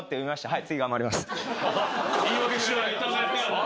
はい。